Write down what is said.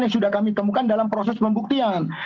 yang sudah kami temukan dalam proses pembuktian